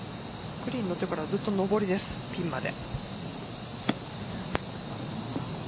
グリーンに乗ってからずっと上りです、ピンまで。